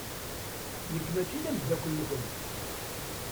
Nekk mačči d ameddakel-nkent.